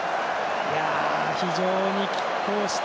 非常にきっ抗した。